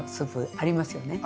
ありますね。